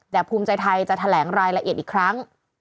แต่ภูมิใจไทยจะแถลงรายละเอียดอีกครั้ง